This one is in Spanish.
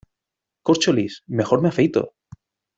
Córcholis, mejor me afeito.